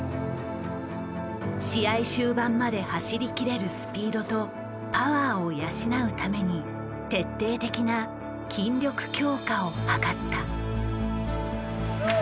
試合終盤まで走りきれるスピードとパワーを養うために徹底的な筋力強化をはかった。